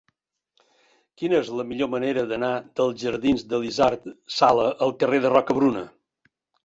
Quina és la millor manera d'anar dels jardins d'Elisard Sala al carrer de Rocabruna?